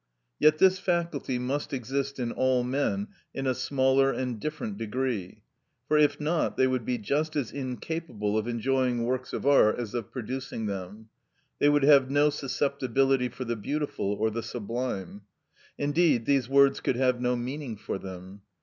Yet this faculty must exist in all men in a smaller and different degree; for if not, they would be just as incapable of enjoying works of art as of producing them; they would have no susceptibility for the beautiful or the sublime; indeed, these words could have no meaning for them.